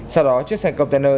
sau đó chiếc xe container